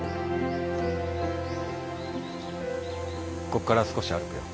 ここから少し歩くよ。